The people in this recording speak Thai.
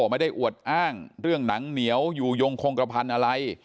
ไม่ได้อวดอ้างเรื่องหนังเหนียวอยู่ยงคงกระพันธุ์อะไร